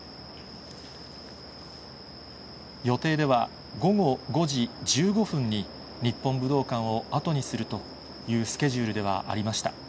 予定では、午後５時１５分に、日本武道館を後にするというスケジュールではありました。